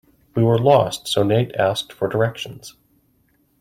We were lost, so Nate asked for directions.